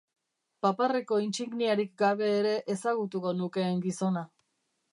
Paparreko intsigniarik gabe ere ezagutuko nukeen gizona.